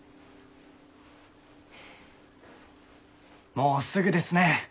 もうすぐですね。